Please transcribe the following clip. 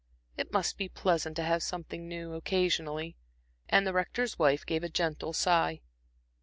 It must be pleasant to have something new occasionally" and the Rector's wife gave a gentle sigh.